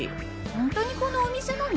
ホントにこのお店なの？